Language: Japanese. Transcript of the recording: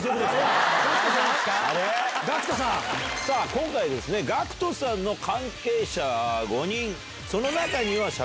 今回ＧＡＣＫＴさんの関係者５人。